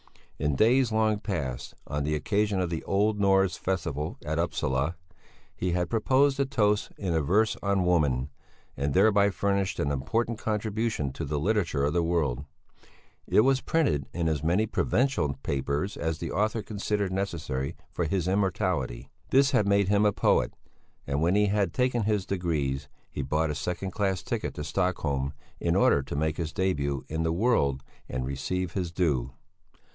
In days long past, on the occasion of the Old Norse Festival at Upsala, he had proposed a toast in verse on woman, and thereby furnished an important contribution to the literature of the world; it was printed in as many provincial papers as the author considered necessary for his immortality. This had made him a poet, and when he had taken his degrees, he bought a second class ticket to Stockholm, in order to make his début in the world and receive his due.